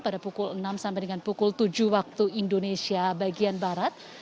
pada pukul enam sampai dengan pukul tujuh waktu indonesia bagian barat